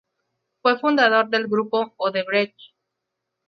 Fue fundador del grupo Odebrecht.